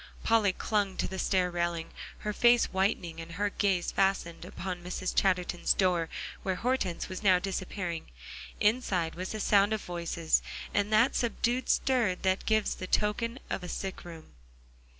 Polly clung to the stair railing, her face whitening, and her gaze fastened upon Mrs. Chatterton's door, where Hortense was now disappearing. Inside, was a sound of voices, and that subdued stir that gives token of a sick room.